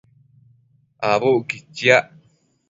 Abucquid chiac